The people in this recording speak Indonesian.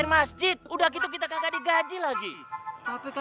miel dipih lihat dia di pih